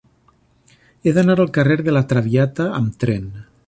He d'anar al carrer de La Traviata amb tren.